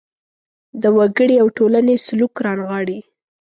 د وګړي او ټولنې سلوک رانغاړي.